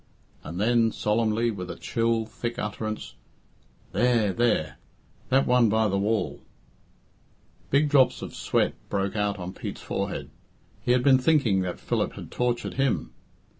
And then, solemnly, with a chill, thick utterance, "There there that one by the wall " Big drops of sweat broke out on Pete's forehead. Had he been thinking that Philip had tortured him?